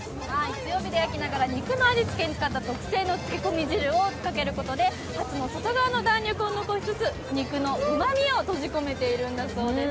強火で焼きながらに肉の味付けに使った特製漬け込み汁をかけることでハツの外側の弾力を残しつつ肉のうまみを閉じ込めているんだそうです